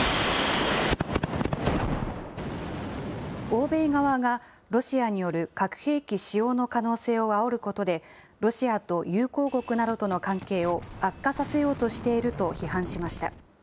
欧米側がロシアによる核兵器使用の可能性をあおることで、ロシアと友好国などとの関係を悪化させようとしていると批判しました。